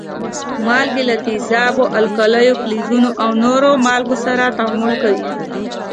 مالګې له تیزابو، القلیو، فلزونو او نورو مالګو سره تعامل کوي.